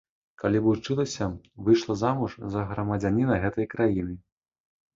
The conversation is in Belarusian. Калі вучылася, выйшла замуж за грамадзяніна гэтай краіны.